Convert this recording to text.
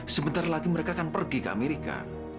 sebentar lagi mereka akan pergi ke amerika